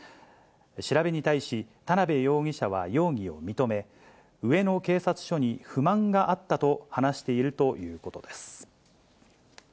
調べに対し、田辺容疑者は容疑を認め、上野警察署に不満があったと話しているということです。